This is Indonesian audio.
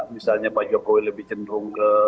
misalnya pak jokowi lebih cenderung ke